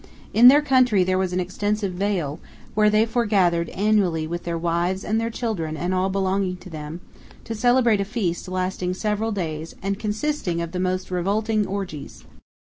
In their country there was an extensive vale, where they foregathered annually with their wives and their children and all belonging to them, to celebrate a feast lasting several days and consisting of the most revolting orgies.